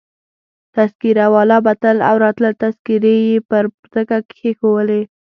تذکیره والا به تلل او راتلل، تذکیرې يې پر مځکه کښېښولې.